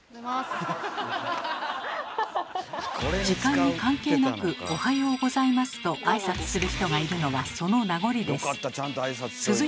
時間に関係なく「おはようございます」と挨拶する人がいるのはその名残です。